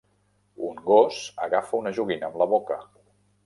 Un gos agafa una joguina amb la boca.